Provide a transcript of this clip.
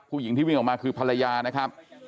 ผู้หญิงที่วิ่งออกมาคือภรรยานะครับ